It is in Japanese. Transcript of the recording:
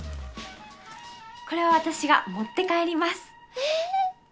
これは私が持って帰りますええっ！？